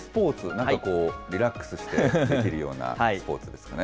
なんかこう、リラックスしてできるようなスポーツですかね。